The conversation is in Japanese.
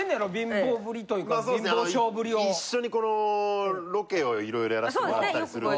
一緒にこのロケを色々やらせてもらったりするんで。